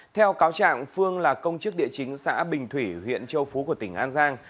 theo cáo trạng phương là công chức địa chính xã bình thủy huyện châu phú của tỉnh an giang